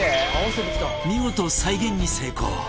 見事再現に成功